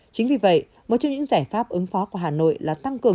chính vì vậy một trong những giải pháp ứng phó của hà nội là tăng cường